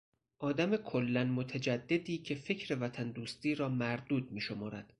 آدم کاملا متجددی که فکر وطن دوستی را مردود می شمارد.